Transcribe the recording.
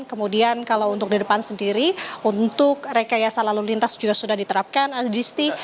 kemudian kalau untuk di depan sendiri untuk rekayasa lalu lintas juga sudah diterapkan ada disti